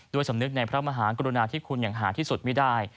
สำนึกในพระมหากรุณาที่คุณอย่างหาที่สุดไม่ได้